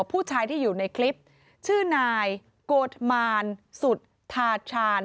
ผู้ชายที่อยู่ในคลิปชื่อนายโกธมารสุธาชาญ